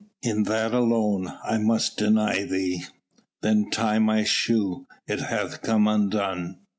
"In that alone I must deny thee." "Then tie my shoe, it hath come undone."